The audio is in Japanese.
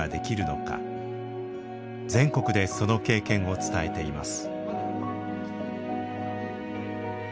全国でその経験を伝えています。